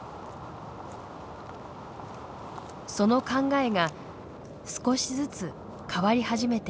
その考えが少しずつ変わり始めていた。